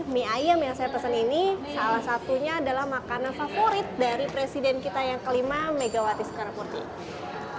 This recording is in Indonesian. mie ayam yang saya pesan ini salah satunya adalah makanan favorit dari presiden kita yang kelima megawati soekarnoputri